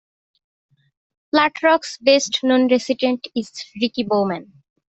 Flat Rock's best known resident is Ricky Bowman.